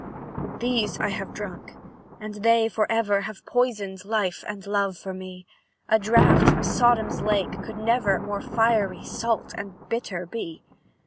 "These I have drunk, and they for ever Have poisoned life and love for me; A draught from Sodom's lake could never More fiery, salt, and bitter, be.